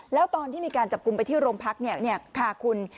แล้วตอนที่มีการจับกลุ่มไปที่โรงพักเนี่ยค่ะคุณ